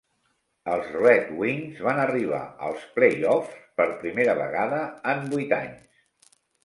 Els Red Wings van arribar als play-offs per primera vegada en vuit anys.